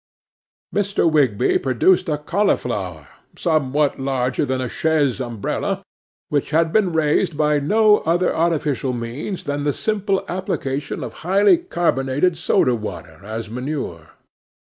'MR. WIGSBY produced a cauliflower somewhat larger than a chaise umbrella, which had been raised by no other artificial means than the simple application of highly carbonated soda water as manure.